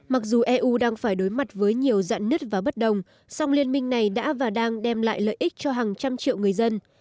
mặc dù eu đang phải đối mặt với nhiều dạn nứt và bất đồng song liên minh này đã và đang đem lại lợi ích cho hàng trăm triệu người dân